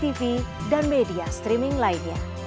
tv dan media streaming lainnya